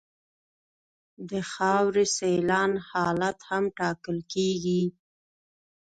د خاورې سیلان حالت هم ټاکل کیږي